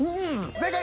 正解！